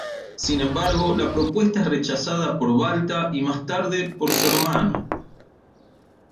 Sin embargo, la propuesta es rechazada por Balta y más tarde por su hermano.